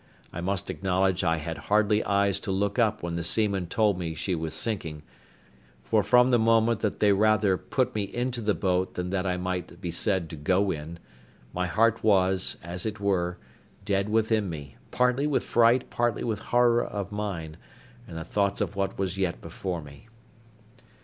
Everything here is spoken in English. I must acknowledge I had hardly eyes to look up when the seamen told me she was sinking; for from the moment that they rather put me into the boat than that I might be said to go in, my heart was, as it were, dead within me, partly with fright, partly with horror of mind, and the thoughts of what was yet before me.